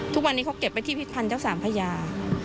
ทุกวันนี้เขาเก็บไว้ที่พิษพันธ์เจ้าสามพญา